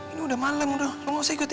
ini udah malem lo gak usah ikut ya